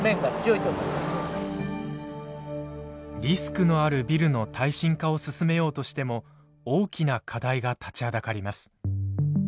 リスクのあるビルの耐震化を進めようとしても大きな課題が立ちはだかります。